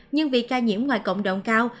nhưng vì ca nhiễm ngoài cộng đồng cao